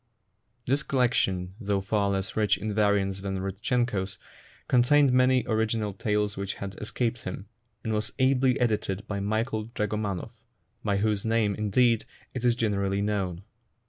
This collection, though far less rich in variants than Rudchenko 's, contained many original tales which had escaped him, and was ably edited by Michael Dragomanov, by whose name, indeed, it is generally known.